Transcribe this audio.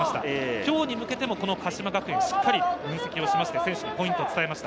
今日に向けても鹿島学園をしっかり分析して、選手にポイントを伝えました。